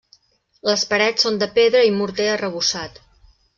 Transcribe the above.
Les parets són de pedra i morter arrebossat.